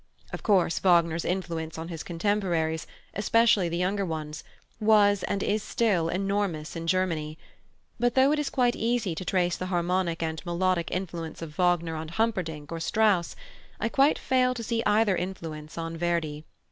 Of course, Wagner's influence on his contemporaries, especially the younger ones, was, and is still, enormous in Germany. But though it is quite easy to trace the harmonic and melodic influence of Wagner on Humperdinck or Strauss, I quite fail to see either influence on Verdi.